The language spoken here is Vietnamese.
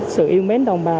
sự yêu mến đồng hành